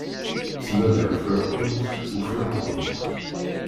Ttnadiɣ fell-akent, ufiɣ-kent.